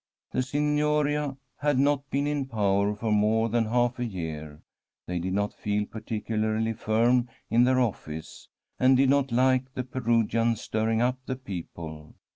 The Signoria had not been in power for more than half a year; they did not feel particularly firm in their ofHce, and did not like the Perugian stirring up the people.